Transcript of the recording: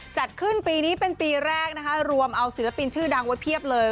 จัดขึ้นปีนี้เป็นปีแรกนะคะรวมเอาศิลปินชื่อดังไว้เพียบเลย